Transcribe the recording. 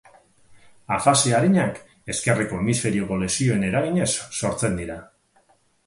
Afasia arinak, ezkerreko hemisferioko lesioen eraginez sortzen dira.